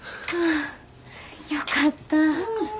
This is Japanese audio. よかった。